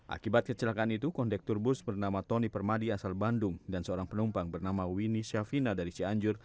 akibat kecelakaan itu kondektur bus bernama tony permadi asal bandung dan seorang penumpang bernama winnie shafina dari cianjur